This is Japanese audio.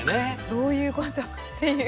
どういうことっていう。